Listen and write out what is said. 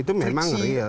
itu memang real